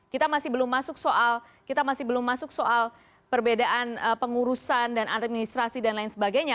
kita masih belum masuk soal perbedaan pengurusan dan administrasi dan lain sebagainya